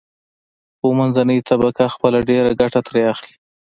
خو منځنۍ طبقه خپله ډېره ګټه ترې اخلي.